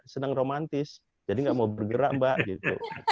senang romantis jadi nggak mau bergerak mbak gitu